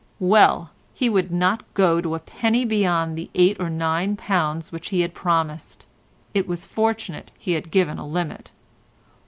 Well, he would not go a penny beyond the eight or nine pounds which he had promised. It was fortunate he had given a limit.